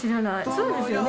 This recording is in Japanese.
そうですよね？